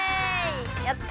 やった！